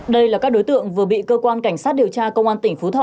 đây là các đối tượng vừa bị cơ quan cảnh sát điều tra công an tỉnh phú thọ